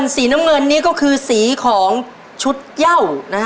สีน้ำเงินนี่ก็คือสีของชุดเย่านะฮะ